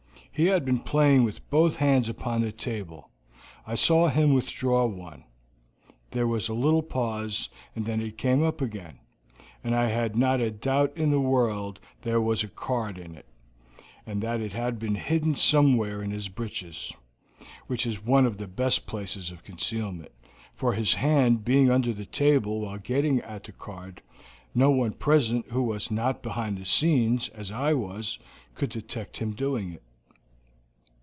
He had been playing with both hands upon the table. I saw him withdraw one, there was a little pause, and then it came up again, and I had not a doubt in the world that there was a card in it, and that it had been hidden somewhere in his breeches, which is one of the best places of concealment, for his hand being under the table while getting at the card, no one present who was not behind the scenes, as I was, could detect him doing it."